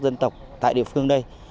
dân tộc tại địa phương đây